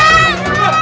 jangan pak jangan